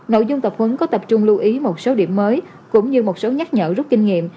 nội dung tập huấn có tập trung lưu ý một số điểm mới cũng như một số nhắc nhở rút kinh nghiệm